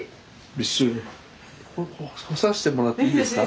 干さしてもらっていいですか？